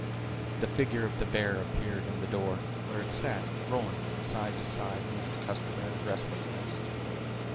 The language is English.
The figure of the bear appeared in the door, where it sat, rolling from side to side in its customary restlessness.